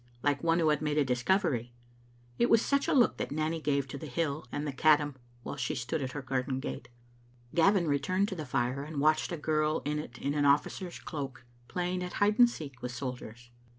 like one who had made a discovery. It was such a look that Nanny gave to the hill and Caddam while she stood at her garden gate. Gavin returned to the fire and watched a girl in it in an officer's cloak playing at hide and seek with sol diers.